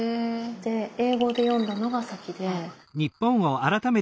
で英語で読んだのが先で。